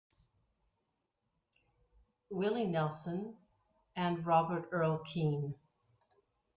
Willie Nelson, and Robert Earl Keen.